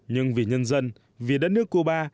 nhưng vì nhân dân vì đất nước cuba